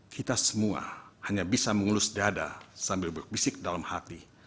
kita semua hanya bisa mengelus dada sambil berbisik dalam hati